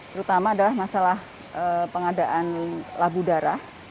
terutama adalah masalah pengadaan labu darah